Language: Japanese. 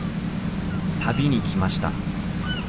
旅に来ました。